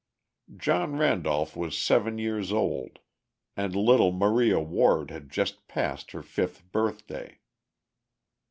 John Randolph was seven years old, and little Maria Ward had just passed her fifth birthday.